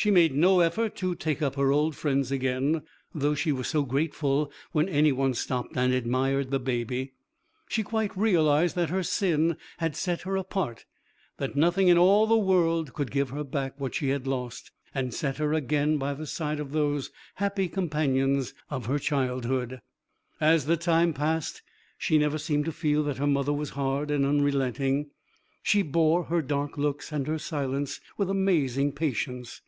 She made no effort to take up her old friends again, though she was so grateful when any one stopped and admired the baby. She quite realised that her sin had set her apart, that nothing in all the world could give her back what she had lost, and set her again by the side of those happy companions of her childhood. As the time passed she never seemed to feel that her mother was hard and unrelenting. She bore her dark looks and her silence with amazing patience.